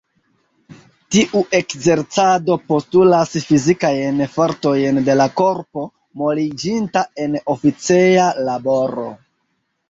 Tiu ekzercado postulas fizikajn fortojn de la korpo, moliĝinta en oficeja laboro.